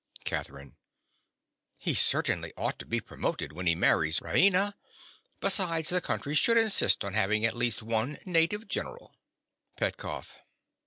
CATHERINE. He certainly ought to be promoted when he marries Raina. Besides, the country should insist on having at least one native general. PETKOFF.